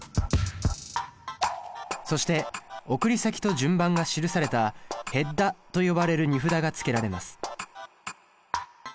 そして送り先と順番が記されたヘッダと呼ばれる荷札がつけられます。